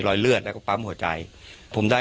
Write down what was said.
รอยเลือดแล้วก็ปรับหัวใจ